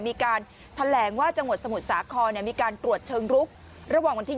มีการแถลงว่าจังหวัดสมุทรสาครมีการตรวจเชิงรุกระหว่างวันที่